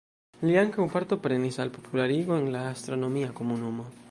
Li ankaŭ partoprenis al popularigo en la astronomia komunumo.